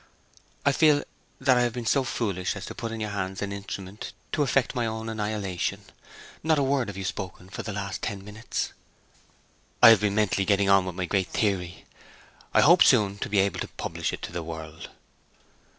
'I feel that I have been so foolish as to put in your hands an instrument to effect my own annihilation. Not a word have you spoken for the last ten minutes.' 'I have been mentally getting on with my great theory. I hope soon to be able to publish it to the world.